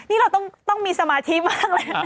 นี่เราต้องมีสมาธิมากเลยนะ